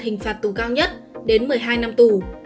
hình phạt tù cao nhất đến một mươi hai năm tù